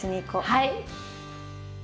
はい。